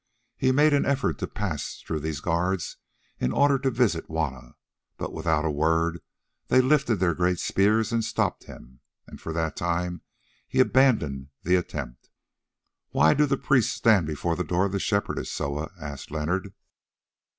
He made an effort to pass through these guards in order to visit Juanna, but without a word they lifted their great spears and stopped him, and for that time he abandoned the attempt. "Why do the priests stand before the door of the Shepherdess, Soa?" asked Leonard.